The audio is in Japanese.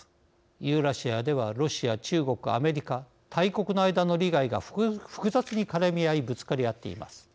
ユーラシアではロシア、中国、アメリカ大国の間の利害が複雑に絡み合いぶつかり合っています。